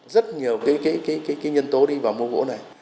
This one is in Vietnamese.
rất nhiều cái nhân tố đi vào mua gỗ này